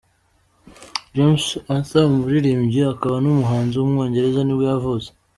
James Arthur, umuririmbyi akaba n’umuhanzi w’umwongereza nibwo yavutse.